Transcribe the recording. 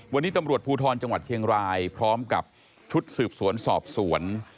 วันนี้ตำรวจภูทรจังหวัดเชียงรายพร้อมกับชุดสืบสวนสอบสวน